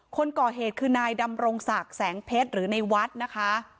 คนก่อเหตุคือนายดำรงศักดิ์แสงเพชรหรือในวัดนะคะ